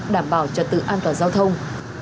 đảm bảo trật tự an toàn giao thông